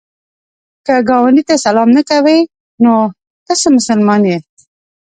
که ګاونډي ته سلام نه کوې، نو ته څه مسلمان یې؟